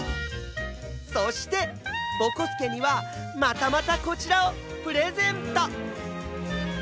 そしてぼこすけにはまたまたこちらをプレゼント！